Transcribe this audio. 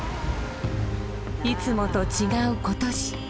いつもと違う今年。